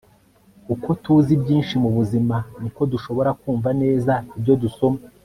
uko tuzi byinshi mubuzima, niko dushobora kumva neza ibyo dusoma